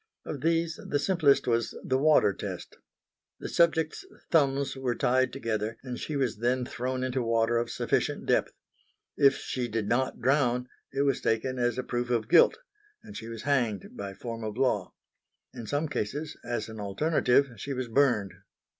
Of these the simplest was the water test. The subject's thumbs were tied together and she was then thrown into water of sufficient depth. If she did not drown, it was taken as a proof of guilt; and she was hanged by form of law. In some cases, as an alternative, she was burned.